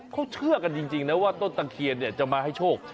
เขาเชื่อกันจริงนะว่าต้นตะเคียนเนี่ยจะมาให้โชค